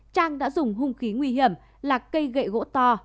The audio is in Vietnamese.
trang đã dùng hung khí nguy hiểm là cây gậy gỗ to